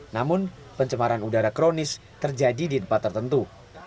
namun pencemaran udara kronis terjadi di tempat tertentu